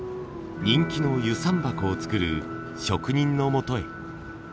人気の遊山箱を作る職人のもとへ。